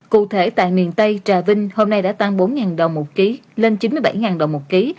cụ thể tại miền tây trà vinh hôm nay đã tăng bốn đồng một ký lên chín mươi bảy đồng một ký